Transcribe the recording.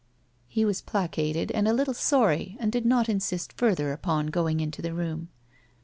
He was placated and a little sorry and did not insist further upon going into the room.